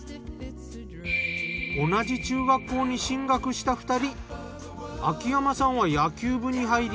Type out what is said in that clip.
同じ中学校に進学した２人。